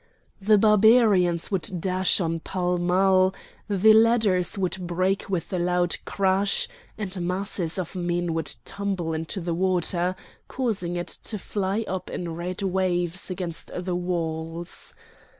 The Barbarians would dash on pell mell; the ladders would break with a loud crash, and masses of men would tumble into the water, causing it to fly up in red waves against the walls.